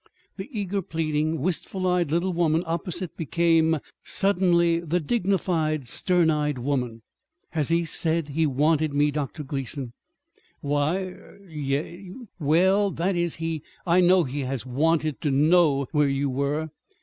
The eager, pleading, wistful eyed little mother opposite became suddenly the dignified, stern eyed woman. "Has he said he wanted me, Dr. Gleason?" "Why er y yes; well, that is, he I know he has wanted to know where you were."